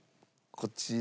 こちら。